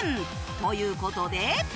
という事で